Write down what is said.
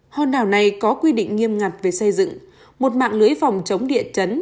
hòn đảo này có quy định nghiêm ngặt về xây dựng một mạng lưới phòng chống địa chấn